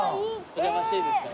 お邪魔していいですか？